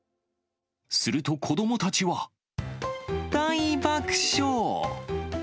すると、子どもたちは、大爆笑。